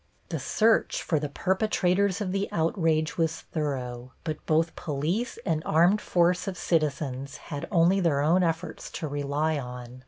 The search for the perpetrators of the outrage was thorough, but both police and armed force of citizens had only their own efforts to rely on.